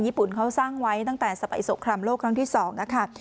ญี่ปุ่นเขาสร้างไว้ตั้งแต่สมัยสงครามโลกครั้งที่๒ค่ะ